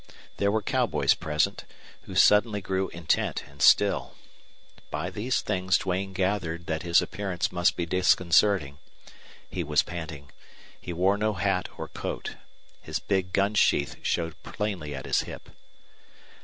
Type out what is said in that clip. There were cowboys present who suddenly grew intent and still. By these things Duane gathered that his appearance must be disconcerting. He was panting. He wore no hat or coat. His big gun sheath showed plainly at his hip.